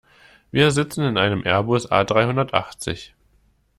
Wir sitzen in einem Airbus A-dreihundertachtzig.